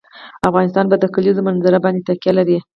افغانستان په د کلیزو منظره باندې تکیه لري.